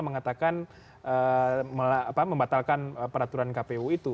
mengatakan membatalkan peraturan kpu itu